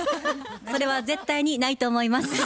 それは絶対にないと思います。